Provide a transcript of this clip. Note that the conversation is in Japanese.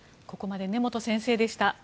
ここまで根本先生でした。